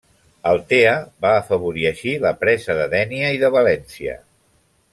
Altea va afavorir així la presa de Dénia i de València.